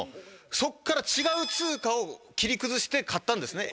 そこから違う通貨を切り崩して買ったんですね。